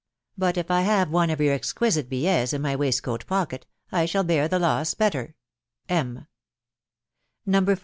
But if I have one of your exquisite billets in my waistcoat pocket, I shall bear the loss better. " M." No.